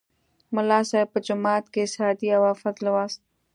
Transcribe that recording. ملا صیب به جومات کې سعدي او حافظ لوست.